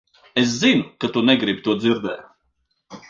Es zinu, ka tu negribi to dzirdēt.